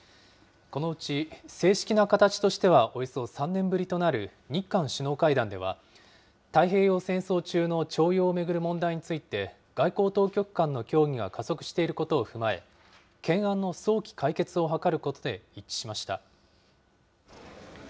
このうち、正式な形としてはおよそ３年ぶりとなる、日韓首脳会談では、太平洋戦争中の徴用を巡る問題について外交当局間の協議が加速していることを踏まえ、懸案の早期解決を図ることで一致しました。